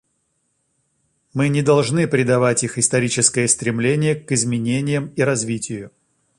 Мы не должны предавать их историческое стремление к изменениям и развитию.